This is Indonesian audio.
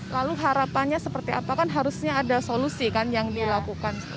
lalu harapannya seperti apa kan harusnya ada solusi kan yang dilakukan